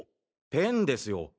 ペンですよ！